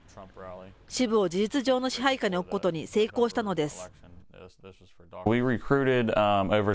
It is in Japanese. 支部を事実上の支配下に置くことに成功したのです。